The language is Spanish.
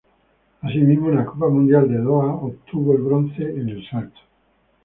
Asimismo, en la Copa Mundial de Doha, obtuvo el bronce en el salto.